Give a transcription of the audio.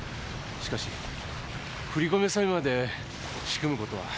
しかし振り込め詐欺まで仕組む事は。